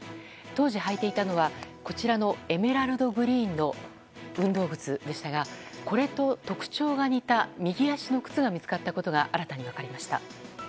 当時、履いていたのはこちらのエメラルドグリーンの運動靴でしたがこれと特徴が似た右足の靴が見つかったことが新たに分かりました。